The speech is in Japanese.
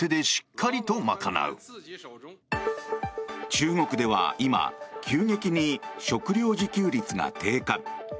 中国では今、急激に食料自給率が低下。